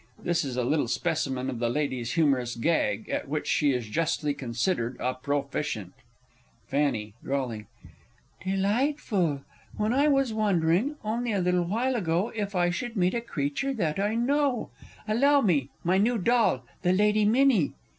[This is a little specimen of the Lady's humorous "gag," at which she is justly considered a proficient. Fanny (drawling). Delightful! When I was wondering, only a little while ago, If I should meet a creature that I know; Allow me my new doll, the Lady Minnie!